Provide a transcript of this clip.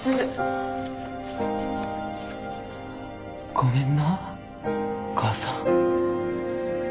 ごめんな母さん。